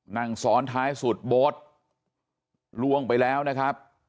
นั่งซ้อนท้ายสุดโบ๊ทล่วงไปแล้วนะครับ